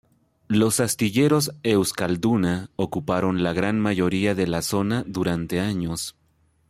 Los Astilleros Euskalduna ocuparon la gran mayoría de la zona durante años.